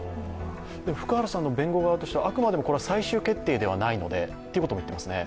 福原さんの弁護側としてはあくまでもこれは最終決定ではないのでということも言っていますね。